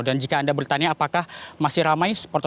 dan jika anda bertanya apakah masih ramai supporter supporter